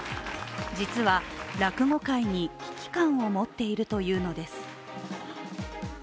実は落語会に危機感を持っているというのです